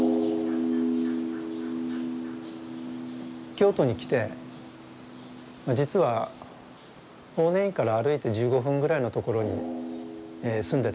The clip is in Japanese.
京都に来て実は法然院から歩いて１５分ぐらいの所に住んでたんですね。